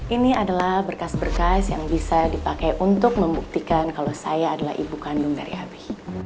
ini adalah berkas berkas yang bisa dipakai untuk membuktikan kalau saya adalah ibu kandung dari abi